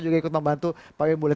juga ikut membantu pak iwan bule